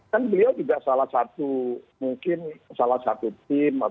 kan beliau juga salah satu mungkin salah satu yang mengundang beliau